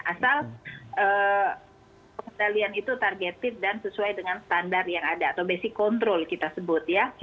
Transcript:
asal pengendalian itu targeted dan sesuai dengan standar yang ada atau basic control kita sebut ya